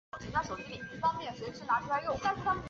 学院拥有校本部。